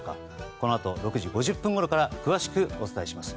このあと６時５０分ごろから詳しくお伝えします。